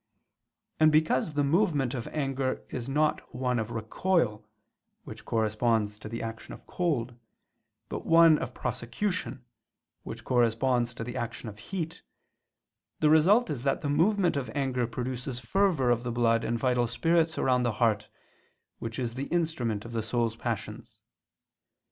And because the movement of anger is not one of recoil, which corresponds to the action of cold, but one of prosecution, which corresponds to the action of heat, the result is that the movement of anger produces fervor of the blood and vital spirits around the heart, which is the instrument of the soul's passions.